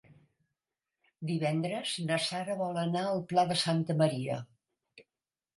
Divendres na Sara vol anar al Pla de Santa Maria.